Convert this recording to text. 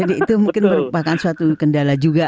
jadi itu mungkin merupakan suatu kendala juga